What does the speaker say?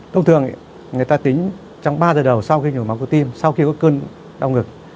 thông thường người ta tính trong ba giờ đầu sau khi nhồi máu cơ tim sau khi có cơn đau ngực